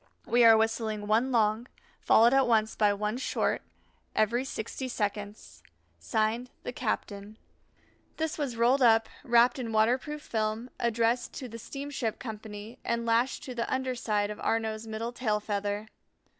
We are whistling one long, followed at once by one short, every sixty seconds. (Signed) THE CAPTAIN. This was rolled up, wrapped in waterproof film, addressed to the Steamship Company, and lashed to the under side of Arnaux's middle tail feather.